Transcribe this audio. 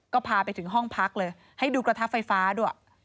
ก็พาไปถึงห้องพักเลยให้ดูกระทะไฟฟ้าด้วย